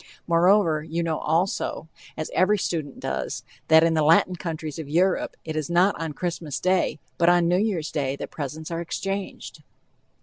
Moreover, you know also, as every student does, that in the Latin countries of Europe it is not on Christmas day, but on New Year's day, that presents are exchanged.